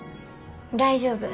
大丈夫。